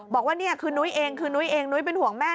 บอกว่านี่คือนุ้ยเองคือนุ้ยเองนุ้ยเป็นห่วงแม่